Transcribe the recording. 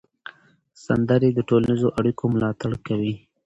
سندرې د ټولنیزو اړیکو ملاتړ کوي.